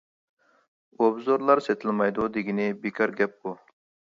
ئوبزورلار سېتىلمايدۇ دېگىنى بىكار گەپ ئۇ.